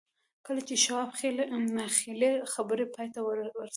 کله چې شواب خپلې خبرې پای ته ورسولې.